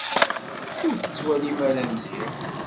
Ur tettwalim ara mliḥ.